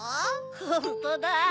ホントだ！